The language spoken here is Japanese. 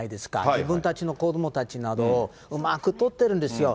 自分たちの子どもたちなどをうまく撮ってるんですよ。